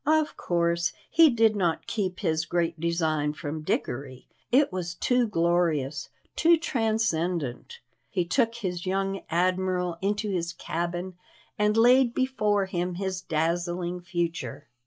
Of course he did not keep his great design from Dickory it was too glorious, too transcendent. He took his young admiral into his cabin and laid before him his dazzling future.